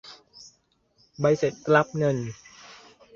ใบเสร็จรับเงิน